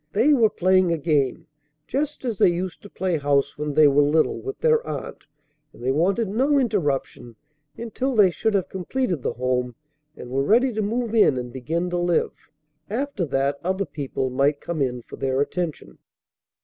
They were playing a game, just as they used to play house when they were little, with their aunt; and they wanted no interruption until they should have completed the home and were ready to move in and begin to live. After that other people might come in for their attention.